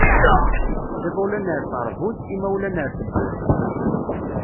Iḍulan ar terbut, imawlan ar tewwurt.